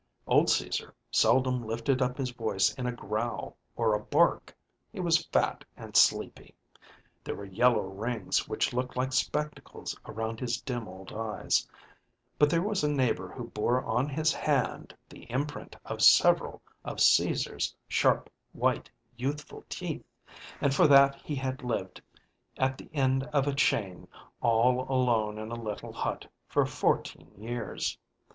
Old Caesar seldom lifted up his voice in a growl or a bark; he was fat and sleepy; there were yellow rings which looked like spectacles around his dim old eyes; but there was a neighbor who bore on his hand the imprint of several of Caesar's sharp white youthful teeth, and for that be had lived at the end of a chain, all alone in a little but, for fourteen years.